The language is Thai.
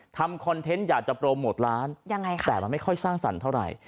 คอนเทนต์อยากจะโปรโมทร้านยังไงค่ะแต่มันไม่ค่อยสร้างสรรค์เท่าไหร่